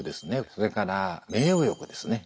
それから名誉欲ですね。